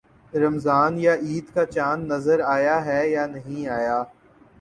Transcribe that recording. رمضان یا عید کا چاند نظر آیا ہے یا نہیں آیا؟